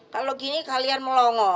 kalau gini kalian melongo